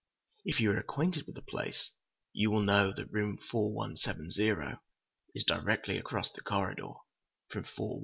If you are acquainted with the place, you will know that room 4170 is directly across the corridor from 4167."